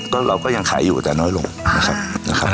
ก็เราก็ยังขายอยู่แต่น้อยลงนะครับ